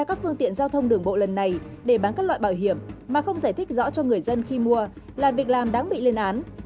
các phương tiện giao thông đường bộ lần này để bán các loại bảo hiểm mà không giải thích rõ cho người dân khi mua là việc làm đáng bị lên án